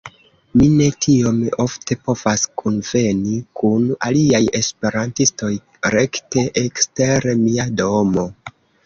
Mi ne tiom ofte povas kunveni kun aliaj esperantistoj rekte ekster mia domo.